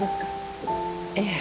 ええ。